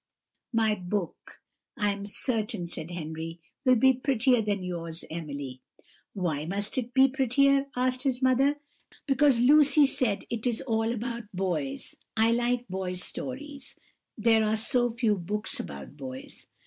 "My book, I am certain," said Henry, "will be prettier than yours, Emily." "Why must it be prettier?" asked his mother. "Because Lucy said it is all about boys; I like boys' stories there are so few books about boys."